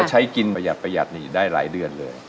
ใช้กินประหยัดประหยัดนี่ได้หลายเดือนเลย